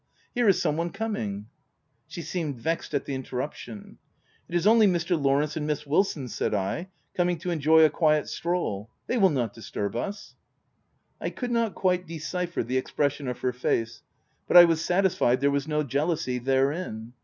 Here is some one coming." She seemed vexed at the interruption. i* It is only Mr. Lawrence and Miss Wilson, 3 ' said I, " coming to enjoy a quiet stroll. They will not disturb us/' I could not quite decipher the expression of her face ; but I was satisfied there was no jea lousy therein.